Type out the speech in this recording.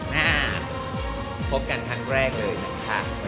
หน้าพบกันครั้งแรกเลยนะคะ